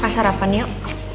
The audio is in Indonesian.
masa sarapan yuk